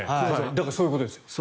そういうことですよ。